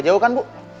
ga jauh kan bu